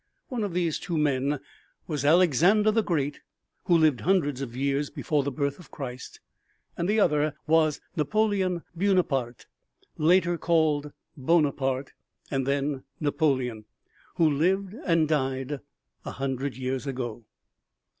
One of these two men was Alexander the Great, who lived hundreds of years before the birth of Christ; the other was Napoleon Buonaparte, later called Bonaparte and then Napoleon, who lived and died a hundred years ago.